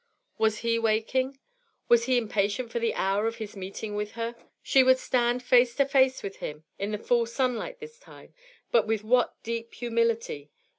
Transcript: Was he waking? Was he impatient for the hour of his meeting with her? She would stand face to face with him in the full Sunlight this time, but with what deep humility!